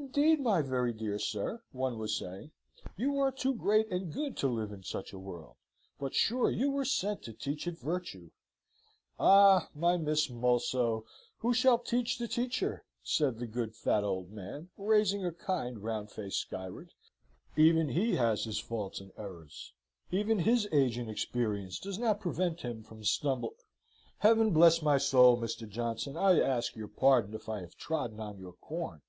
"Indeed, my very dear sir," one was saying, "you are too great and good to live in such a world; but sure you were sent to teach it virtue!" "Ah, my Miss Mulso! Who shall teach the teacher?" said the good, fat old man, raising a kind, round face skywards. "Even he has his faults and errors! Even his age and experience does not prevent him from stumbl . Heaven bless my soul, Mr. Johnson! I ask your pardon if I have trodden on your corn."